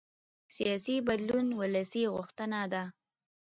سیاسي بدلون ولسي غوښتنه ده